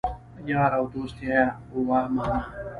یار او دوست یوه معنی